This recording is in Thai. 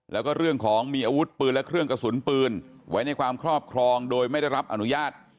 แล้วก็เรื่องของมีอาวุธปืนและเครื่องกระสุนปืนไว้ในความครอบครองโดยไม่ได้รับอนุญาต